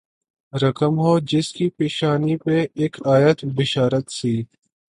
رقم ہو جس کی پیشانی پہ اک آیت بشارت سی